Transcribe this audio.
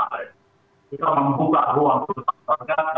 kita membuka ruang seputar seputarnya